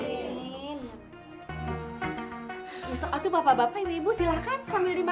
besok waktu bapak bapak ibu ibu silakan sambil dimakan sambil diminum